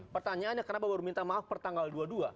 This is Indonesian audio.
pertanyaannya kenapa baru minta maaf per tanggal dua puluh dua